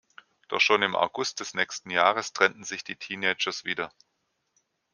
Doch schon im August des nächsten Jahres trennten sich die Teenagers wieder.